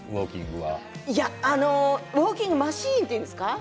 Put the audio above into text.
ウォーキングマシンというんですか。